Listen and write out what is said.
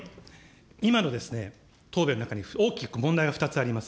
今の答弁の中に大きく問題が２つあります。